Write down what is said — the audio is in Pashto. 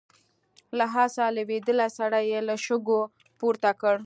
له آسه لوېدلی سړی يې له شګو پورته کړ.